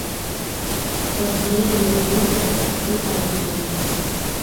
Варлеии иареи иеибырҳәаз ихы иҭагьежьуан.